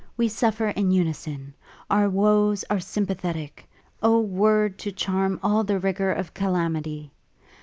we suffer in unison! our woes are sympathetic! O word to charm all the rigour of calamity!....